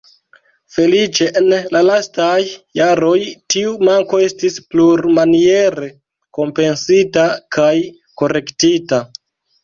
Feliĉe, en la lastaj jaroj, tiu manko estis plurmaniere kompensita kaj korektita.